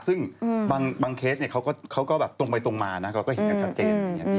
ซึ่งบางเคสเขาก็แบบตรงไปตรงมานะเราก็เห็นกันชัดเจน